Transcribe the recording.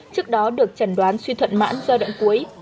trước đó được chẩn đoán suy thuận mãn giai đoạn cuối